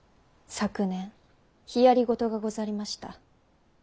昨年ひやり事がござりました。